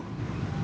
kalau jalan jauh